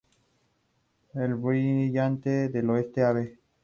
Del Brillante, al oeste de Av.